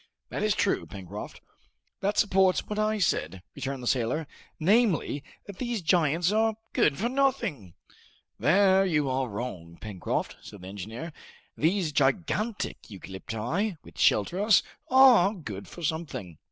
"That is true, Pencroft." "That supports what I said," returned the sailor, "namely, that these giants are good for nothing!" "There you are wrong, Pencroft," said the engineer; "these gigantic eucalypti, which shelter us, are good for something."